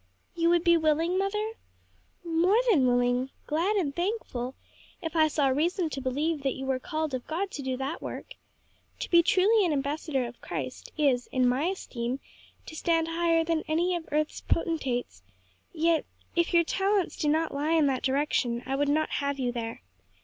"You would be willing, mother?" "More than willing glad and thankful if I saw reason to believe that you were called of God to that work. To be truly an ambassador of Christ is, in my esteem, to stand higher than any of earth's potentates, yet if your talents do not lie in that direction I would not have you there.